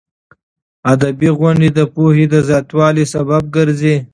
ادبي غونډې د پوهې د زیاتوالي سبب ګرځي.